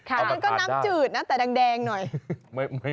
อันนี้ก็น้ำจืดนะแต่แดงหน่อย